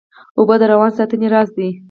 اوبه د روان ساتنې راز دي